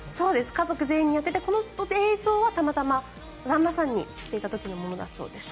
家族全員にやっていてこの映像はたまたま旦那さんにしていた時のものだそうです。